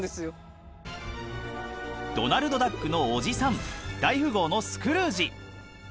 ドナルドダックのおじさん大富豪のスクルージ。